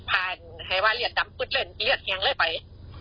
ผ่านไฟว่าเลียดดำปืดเล่นเลียดแหงเลยไป